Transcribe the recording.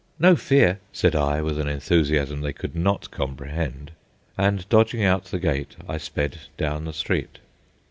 "No fear," said I, with an enthusiasm they could not comprehend; and, dodging out the gate, I sped down the street.